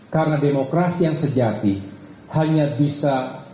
karena demokrasi yang sejati hanya bisa